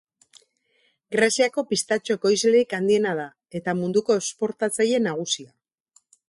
Greziako pistatxo-ekoizlerik handiena da eta munduko esportatzaile nagusia.